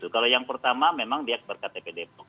kalau yang pertama memang dia berktp depok